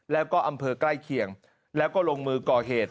แล้วก็อำเภอใกล้เคียงแล้วก็ลงมือก่อเหตุ